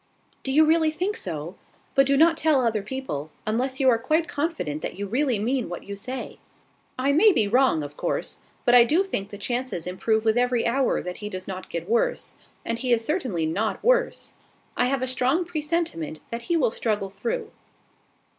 "Do you really think so? But do not tell other people, unless you are quite confident that you really mean what you say." "I may be wrong, of course: but I do think the chances improve with every hour that he does not get worse; and he is certainly not worse. I have a strong presentiment that he will struggle through."